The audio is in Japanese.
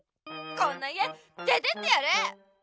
こんな家出てってやる！